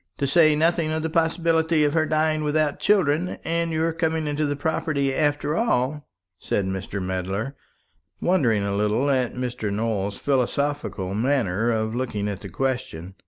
"To say nothing of the possibility of her dying without children, and your coming into the property after all," said Mr. Medler, wondering a little at Mr. Nowell's philosophical manner of looking at the question.